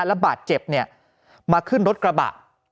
แล้วบาดเจ็บเนี่ยมาขึ้นรถกระบะ